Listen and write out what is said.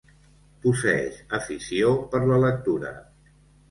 Posseeix afició per la lectura.